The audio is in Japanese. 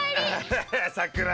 ハッハさくら